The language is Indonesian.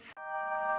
sampai jumpa lagi